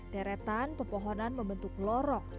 deretan pepohonan membentuk lorok